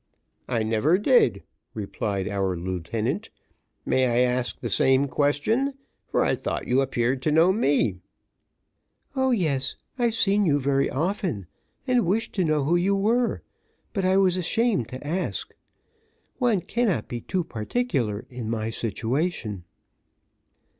"I never did," replied our lieutenant. "May I ask the same question, for I thought you appeared to know me?" "O yes! I've seen you very often, and wished to know who you were, but I was ashamed to ask. One cannot be too particular in my situation."